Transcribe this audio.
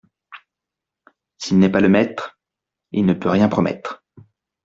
S'il n'est pas le maître, il ne peut rien promettre.